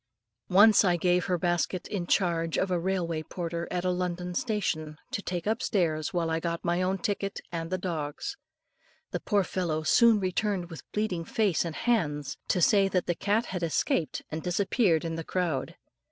Once I gave her basket in charge of a railway porter at a London station, to take upstairs while I got my own ticket and the dog's. The poor fellow soon returned with bleeding face and hands, to say that the cat had escaped and disappeared in the crowd.